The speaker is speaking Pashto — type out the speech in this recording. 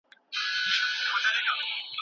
د هند او زموږ اقتصاد توپیر لري.